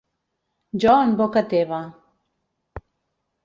Jo en boca teva.